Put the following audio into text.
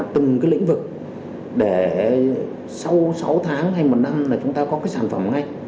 từng cái lĩnh vực để sau sáu tháng hay một năm là chúng ta có cái sản phẩm ngay